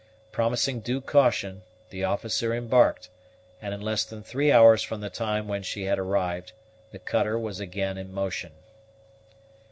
Promising due caution, the officer embarked, and in less than three hours from the time when she had arrived the cutter was again in motion.